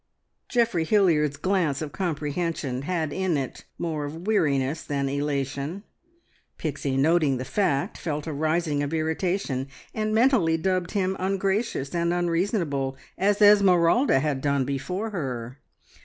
Geoffrey Hilliard's glance of comprehension had in it more of weariness than elation. Pixie noting the fact, felt a rising of irritation, and mentally dubbed him ungracious and unreasonable, as Esmeralda had done before her.